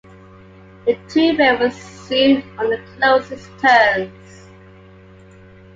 The two men were soon on the closest terms.